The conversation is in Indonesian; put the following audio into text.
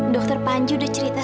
dokter panju udah cerita